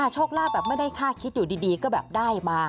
โชคลาภแบบไม่ได้ค่าคิดอยู่ดีก็แบบได้มา